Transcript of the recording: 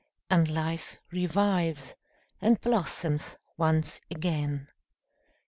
And life revives, and blossoms once again.